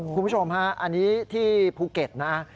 คุณผู้ชมฮะอันนี้ที่ภูเก็ตนะ